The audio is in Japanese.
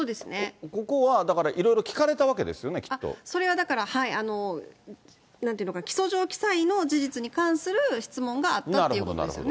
ここは、だからいろいろ聞かれたそれはだから、なんて言うのかな、起訴状記載の事実に関する質問があったということですよね。